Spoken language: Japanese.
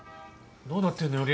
どうなってんのよ